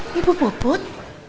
loh ibu poput